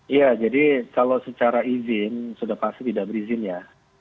iya jadi kalau secara izin sudah pasti tidak berizin ya